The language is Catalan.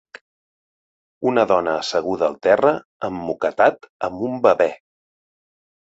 Una dona asseguda al terra emmoquetat amb un bebè.